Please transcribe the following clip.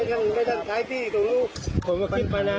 แต่เขาพูดว่าทำ